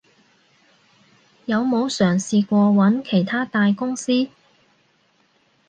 有冇嘗試過揾其它大公司？